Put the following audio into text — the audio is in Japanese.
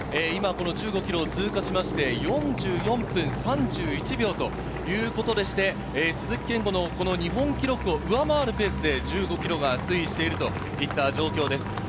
今この１５ｋｍを通過しまして４４分３１秒ということでして鈴木健吾の日本記録を上回るペースで１５ｋｍが推移しているといった状況です。